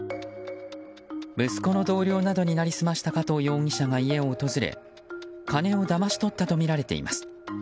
息子の同僚などに成り済ました加藤容疑者が家を訪れ金をだまし取ったとみられています。